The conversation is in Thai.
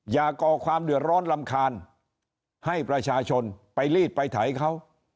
อย่าก่อความเดือดร้อนรำคาญให้ประชาชนไปรีดไปไถเขา